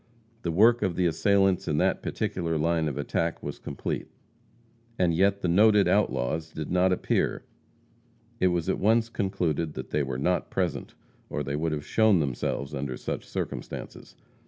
The work of the assailants in that particular line of attack was complete. And yet the noted outlaws did not appear. It was at once concluded that they were not present or they would have shown themselves under such circumstances.